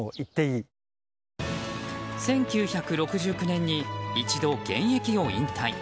１９６９年に一度現役を引退。